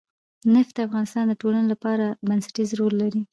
نفت د افغانستان د ټولنې لپاره بنسټيز رول لري.